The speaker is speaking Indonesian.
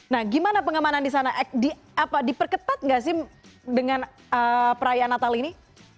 nah gimana pengamanan di sana diperketat nggak sih dengan perayaan natal ini